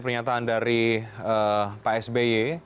pernyataan dari pak sby